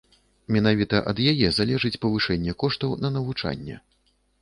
Менавіта ад яе залежыць павышэнне коштаў на навучанне.